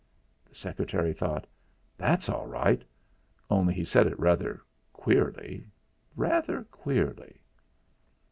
The secretary thought: 'That's all right only, he said it rather queerly rather queerly.'